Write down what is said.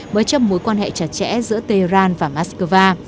bởi chấp mối quan hệ chặt chẽ giữa tehran và moskva